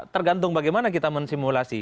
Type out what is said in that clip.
tergantung bagaimana kita mensimulasi